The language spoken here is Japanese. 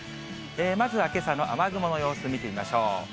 まずはけさの雨雲の様子、見てみましょう。